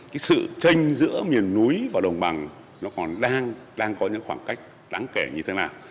cái sự tranh giữa miền núi và đồng bằng nó còn đang có những khoảng cách đáng kể như thế nào